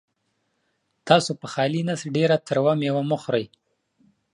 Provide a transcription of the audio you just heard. تاسو په خالي نس ډېره تروه مېوه مه خورئ.